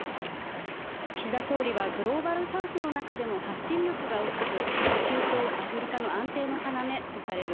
岸田総理はグローバルサウスの中でも発信力が大きく、中東、アフリカの安定の要とされる